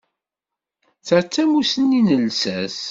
Ta d tamussni n llsas.